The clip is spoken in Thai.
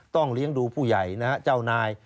เลี้ยงดูผู้ใหญ่นะฮะเจ้านาย